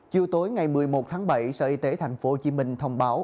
chiều tối ngày một mươi một tháng bảy sở y tế thành phố hồ chí minh thông báo